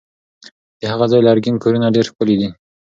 د هغه ځای لرګین کورونه ډېر ښکلي دي.